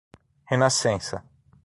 Renascença